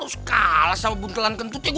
masa gue harus kalah sama buntelan kentutnya gue